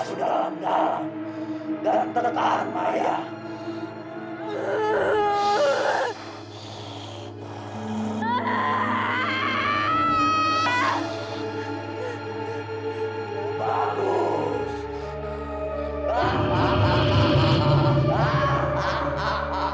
sekarang tarikkan pasu dalam dalam